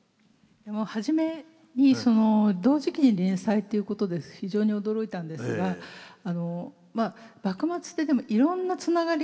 初めに同時期に連載っていうことで非常に驚いたんですがまあ幕末ってでもいろんなつながりが。